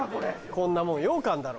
こんなもんようかんだろ。